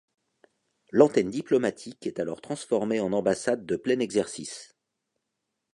L’antenne diplomatique est alors transformée en ambassade de plein exercice.